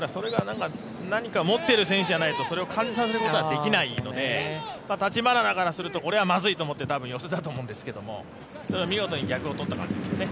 何か持っている選手じゃないとそれを感じさせることはできないので橘田からすると、これはまずいと思って寄せたと思うんですけどそれを見事に逆を取った感じですよね。